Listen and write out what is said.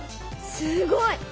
すごい！